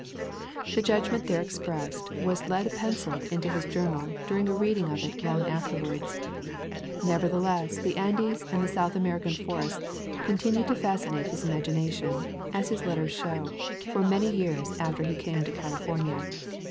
The judgment there expressed was lead penciled into his journal during a reading of it long after wards. Nevertheless the Andes and the South American forests continued to fascinate his imagination, as his letters show, for many years after he came to California.